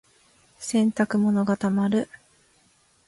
洗濯物が溜まる。